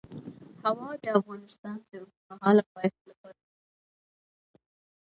هوا د افغانستان د اوږدمهاله پایښت لپاره مهم رول لري.